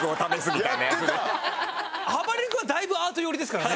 あばれる君はだいぶアート寄りですからね。